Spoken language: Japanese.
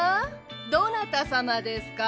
どなたさまですか？